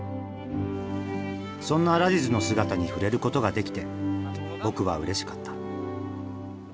そんなラジズの姿に触れることができて僕はうれしかった。